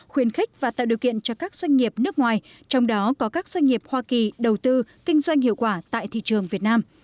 khuyến khích và tạo điều kiện cho các doanh nghiệp nước ngoài trong đó có các doanh nghiệp hoa kỳ đầu tư kinh doanh hiệu quả tại thị trường việt nam